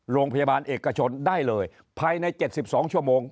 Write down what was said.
โรงพยาบาลเอกชนได้เลยภายใน๗๒ชั่วโมง